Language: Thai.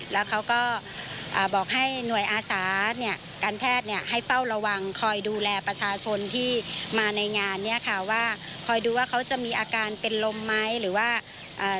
แล้วเขาก็อ่าบอกให้หน่วยอาสาเนี่ยการแพทย์เนี่ยให้เฝ้าระวังคอยดูแลประชาชนที่มาในงานเนี้ยค่ะว่าคอยดูว่าเขาจะมีอาการเป็นลมไหมหรือว่าเอ่อ